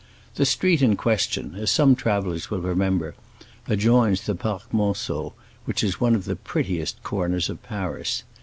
The street in question, as some travelers will remember, adjoins the Parc Monceau, which is one of the prettiest corners of Paris.